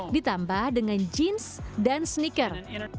ditambah dengan jeans dan sneaker